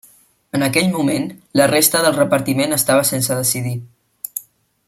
En aquell moment, la resta del repartiment estava sense decidir.